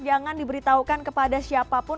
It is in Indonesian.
jangan diberitahukan kepada siapapun